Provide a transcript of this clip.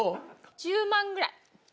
１０万ぐらい。